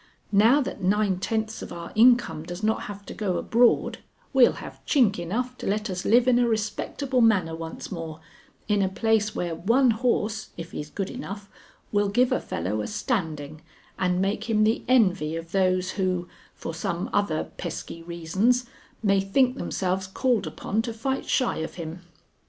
Now that nine tenths of our income does not have to go abroad, we'll have chink enough to let us live in a respectable manner once more in a place where one horse, if he's good enough, will give a fellow a standing and make him the envy of those who, for some other pesky reasons, may think themselves called upon to fight shy of him.